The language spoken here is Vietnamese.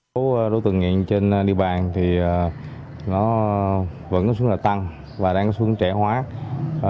công tác đấu tranh với tội phạm ma túy và gia đình người nghiện chưa cao